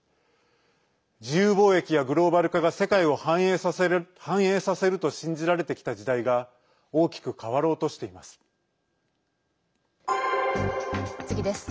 自由貿易やグローバル化が世界を繁栄させると信じられてきた時代が大きく変わろうとしています。